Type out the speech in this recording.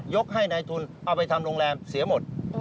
ให้นายทุนเอาไปทำโรงแรมเสียหมด